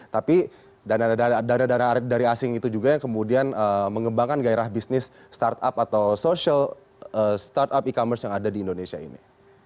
tapi dana dana dari asing itu juga yang kemudian mengembangkan gairah bisnis startup atau social startup e commerce yang ada di indonesia ini